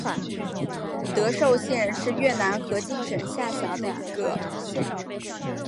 德寿县是越南河静省下辖的一个县。